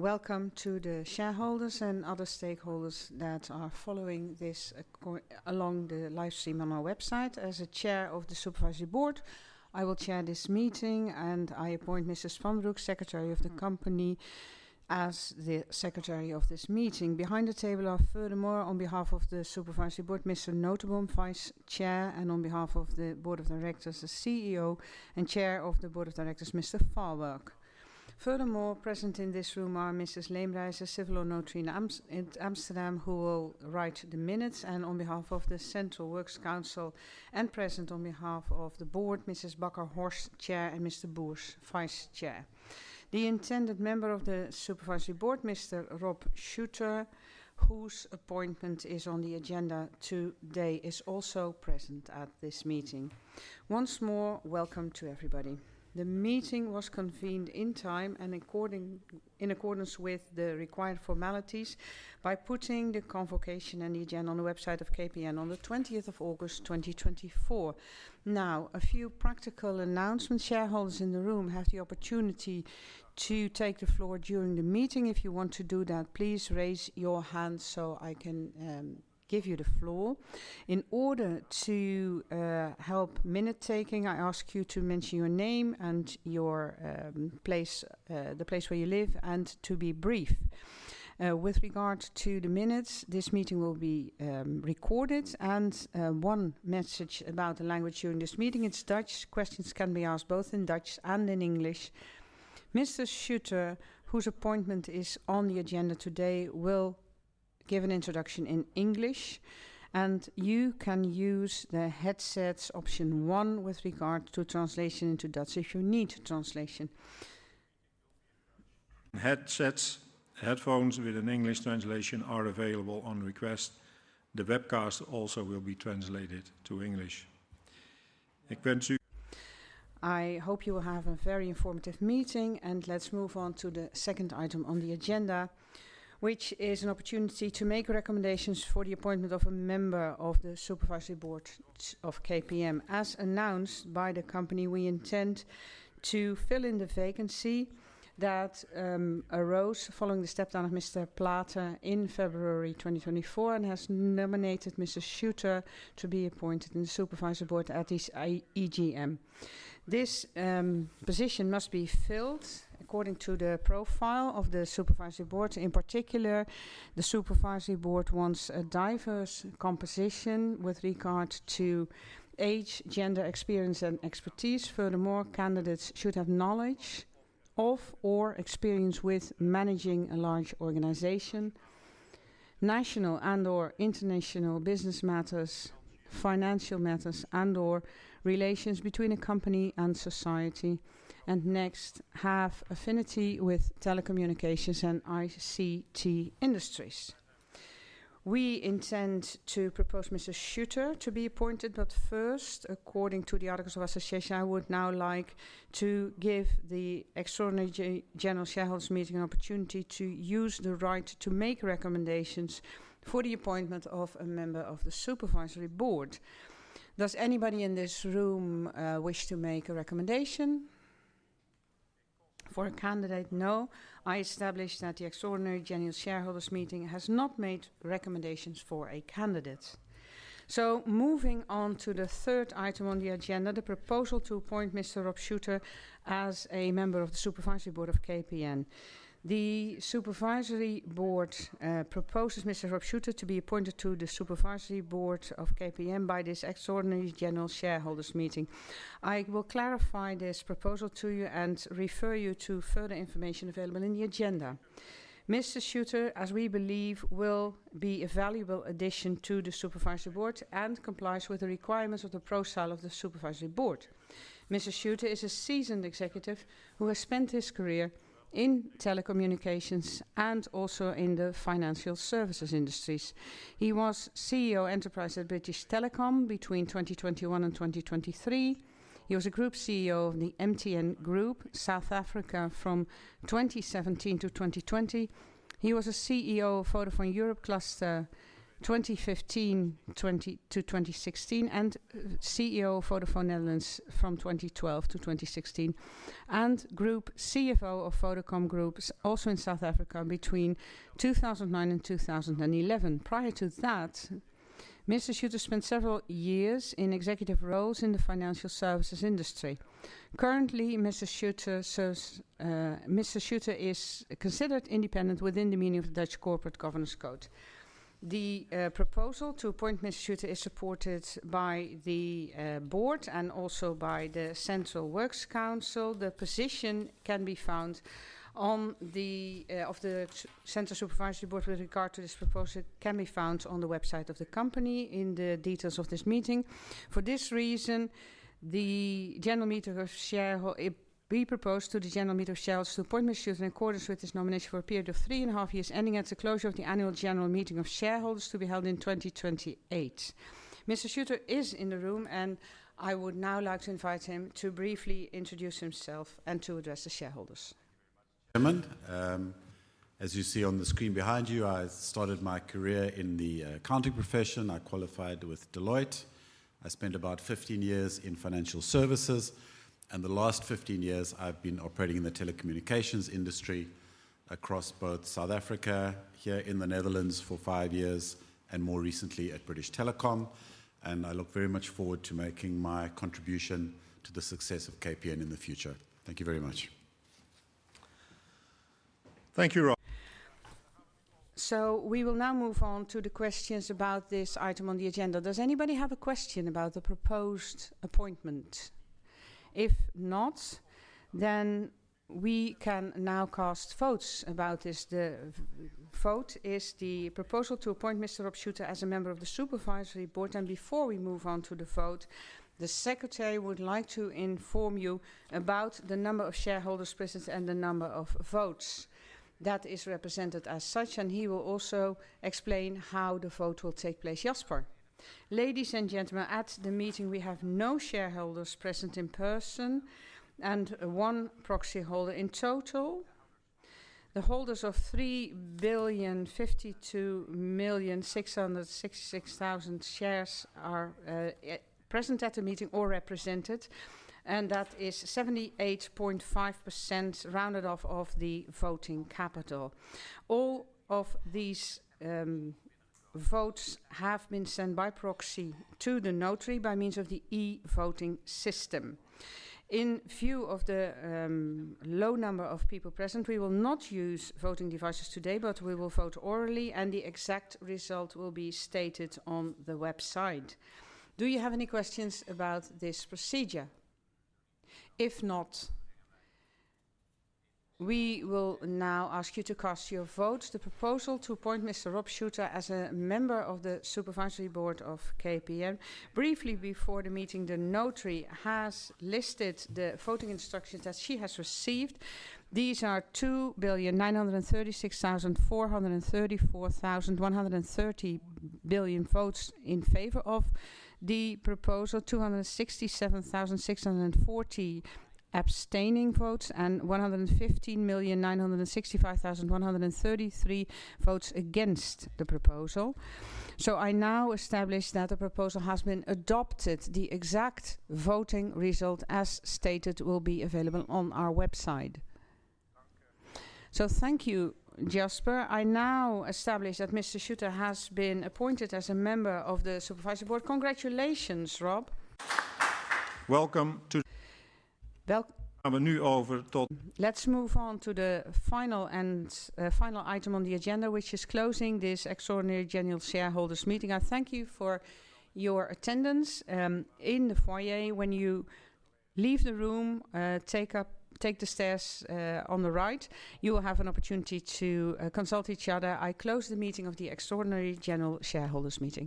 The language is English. Welcome to the shareholders and other stakeholders that are following this call along the live stream on our website. As the chair of the Supervisory Board, I will chair this meeting, and I appoint Jasper Spanbroek, Secretary of the company, as the secretary of this meeting. Behind the table are furthermore, on behalf of the Supervisory Board, Mr. Noteboom, Vice Chair, and on behalf of the Board of Directors, the CEO and chair of the Board of Directors, Mr. Farwerck. Furthermore, present in this room are Mrs. Leemrijse, a civil notary in Amsterdam, who will write the minutes, and on behalf of the Central Works Council, and present on behalf of the board, Mrs. Bakker-Vorst, chair, and Mr. Boers, vice chair. The intended member of the Supervisory Board, Mr. Shuter, whose appointment is on the agenda today, is also present at this meeting. Once more, welcome to everybody. The meeting was convened in time and according, in accordance with the required formalities, by putting the convocation and the agenda on the website of KPN on the twentieth of August, 2024. Now, a few practical announcements. Shareholders in the room have the opportunity to take the floor during the meeting. If you want to do that, please raise your hand so I can give you the floor. In order to help minute-taking, I ask you to mention your name and your place, the place where you live, and to be brief. With regard to the minutes, this meeting will be recorded, and one message about the language during this meeting, it's Dutch. Questions can be asked both in Dutch and in English. Mr. Shuter, whose appointment is on the agenda today, will give an introduction in English, and you can use the headsets option one with regard to translation into Dutch if you need translation. Headsets, headphones with an English translation are available on request. The webcast also will be translated to English. I hope you will have a very informative meeting, and let's move on to the second item on the agenda, which is an opportunity to make recommendations for the appointment of a member of the Supervisory Board of KPN. As announced by the company, we intend to fill in the vacancy that arose following the step down of Mr. Plater in February, 2024, and has nominated Mr. Shuter to be appointed in the Supervisory Board at this EGM. This position must be filled according to the profile of the Supervisory Board. In particular, the Supervisory Board wants a diverse composition with regard to age, gender, experience, and expertise. Furthermore, candidates should have knowledge of or experience with managing a large organization, national and/or international business matters, financial matters, and/or relations between a company and society, and next, have affinity with telecommunications and ICT industries. We intend to propose Mr. Shuter to be appointed, but first, according to the articles of association, I would now like to give the Extraordinary General Shareholders' Meeting an opportunity to use the right to make recommendations for the appointment of a member of the Supervisory Board. Does anybody in this room wish to make a recommendation for a candidate? No. I establish that the Extraordinary General Shareholders' Meeting has not made recommendations for a candidate. So moving on to the third item on the agenda, the proposal to appoint Mr. Rob Shuter as a member of the Supervisory Board of KPN. The Supervisory Board proposes Mr. Rob Shuter to be appointed to the Supervisory Board of KPN by this Extraordinary General Shareholders' Meeting. I will clarify this proposal to you and refer you to further information available in the agenda. Mr. Shuter, as we believe, will be a valuable addition to the Supervisory Board and complies with the requirements of the profile of the Supervisory Board. Mr. Shuter is a seasoned executive who has spent his career in telecommunications and also in the financial services industries. He was CEO Enterprise at British Telecom between 2021 and 2023. He was a Group CEO of the MTN Group, South Africa, from 2017-2020. He was a CEO of Vodafone Europe Cluster, 2015-2016, and CEO of Vodafone Netherlands from 2012-2016, and Group CFO of Vodacom Group, also in South Africa, between 2009 and 2011. Prior to that, Mr. Shuter spent several years in executive roles in the financial services industry. Currently, Mr. Shuter serves, Mr. Shuter is considered independent within the meaning of the Dutch Corporate Governance Code. The proposal to appoint Mr. Shuter is supported by the board and also by the Central Works Council. The position of the Central Supervisory Board with regard to this proposal can be found on the website of the company in the details of this meeting. For this reason, we propose to the General Meeting of Shareholders to appoint Mr. Shuter in accordance with his nomination for a period of three and a half years, ending at the closure of the Annual General Meeting of Shareholders to be held in 2028. Mr. Shuter is in the room, and I would now like to invite him to briefly introduce himself and to address the shareholders. Chairman, as you see on the screen behind you, I started my career in the accounting profession. I qualified with Deloitte. I spent about fifteen years in financial services, and the last fifteen years I've been operating in the telecommunications industry.... across both South Africa, here in the Netherlands for five years, and more recently at British Telecom, and I look very much forward to making my contribution to the success of KPN in the future. Thank you very much. Thank you, Rob. So we will now move on to the questions about this item on the agenda. Does anybody have a question about the proposed appointment? If not, then we can now cast votes about this. The vote is the proposal to appoint Mr. Rob Shuter as a member of the Supervisory Board. And before we move on to the vote, the secretary would like to inform you about the number of shareholders present and the number of votes. That is represented as such, and he will also explain how the vote will take place. Jasper. Ladies and gentlemen, at the meeting, we have no shareholders present in person and one proxy holder. In total, the holders of three billion, fifty-two million, six hundred and sixty-six thousand shares are present at the meeting or represented, and that is 78.5%, rounded off, of the voting capital. All of these votes have been sent by proxy to the notary by means of the e-voting system. In view of the low number of people present, we will not use voting devices today, but we will vote orally, and the exact result will be stated on the website. Do you have any questions about this procedure? If not, we will now ask you to cast your votes. The proposal to appoint Mr. Rob Shuter as a member of the Supervisory Board of KPN. Briefly before the meeting, the notary has listed the voting instructions that she has received. These are two billion, nine hundred and thirty-six thousand, four hundred and thirty-four thousand, one hundred and thirty votes in favor of the proposal, two hundred and sixty-seven thousand, six hundred and forty abstaining votes, and one hundred and fifteen million, nine hundred and sixty-five thousand, one hundred and thirty-three votes against the proposal. So I now establish that the proposal has been adopted. The exact voting result, as stated, will be available on our website. So thank you, Jasper. I now establish that Mr. Shuter has been appointed as a member of the Supervisory Board. Congratulations, Rob. Welcome to- Let's move on to the final item on the agenda, which is closing this Extraordinary General Shareholders' Meeting. I thank you for your attendance. In the foyer, when you leave the room, take the stairs on the right, you will have an opportunity to consult each other. I close the meeting of the Extraordinary General Shareholders' Meeting.